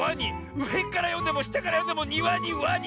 うえからよんでもしたからよんでもニワにワニ。